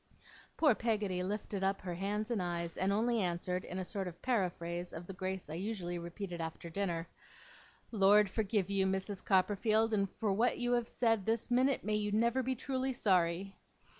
Poor Peggotty lifted up her hands and eyes, and only answered, in a sort of paraphrase of the grace I usually repeated after dinner, 'Lord forgive you, Mrs. Copperfield, and for what you have said this minute, may you never be truly sorry!